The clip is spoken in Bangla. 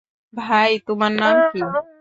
ভাই, তোমার নাম কী?